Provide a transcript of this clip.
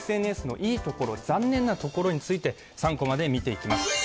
ＳＮＳのいいところ、残念なところについて「３コマ」で見ていきます。